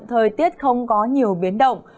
thời tiết không có nhiều biến động